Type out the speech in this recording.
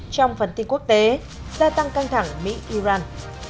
trong phần tin quốc tế gia tăng căng thẳng mỹ iran